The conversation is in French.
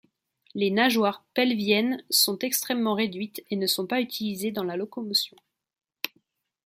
Les nageoires pelviennes sont extrêmement réduites et ne sont pas utilisés dans la locomotion.